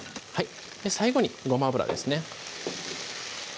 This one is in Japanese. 最後にごま油ですね